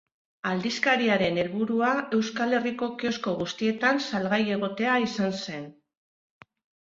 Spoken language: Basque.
Aldizkariaren helburua Euskal Herriko kiosko guztietan salgai egotea izan zen.